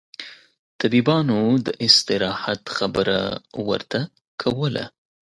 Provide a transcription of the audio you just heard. طبيبانو داستراحت خبره ورته کوله.